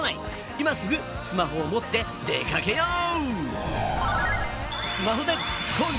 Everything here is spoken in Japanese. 今すぐスマホを持って出かけよう！